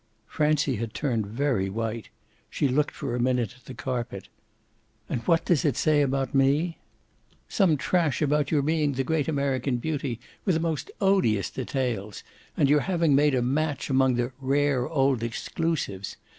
Francie had turned very white; she looked for a minute at the carpet. "And what does it say about me?" "Some trash about your being the great American beauty, with the most odious details, and your having made a match among the 'rare old exclusives.